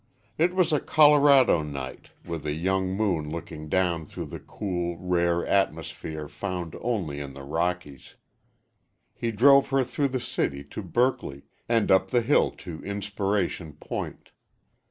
It was a Colorado night, with a young moon looking down through the cool, rare atmosphere found only in the Rockies. He drove her through the city to Berkeley and up the hill to Inspiration Point.